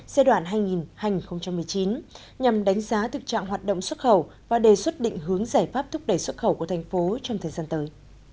giai đoạn hai nghìn một mươi chín nhằm đánh giá thực trạng hoạt động xuất khẩu và đề xuất định hướng giải pháp thúc đẩy xuất khẩu của thành phố trong thời gian tới